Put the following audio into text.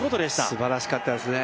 すばらしかったですね。